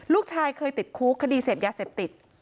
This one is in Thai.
ลูกชายเคยติดคุกคดีเสพยาเสพติด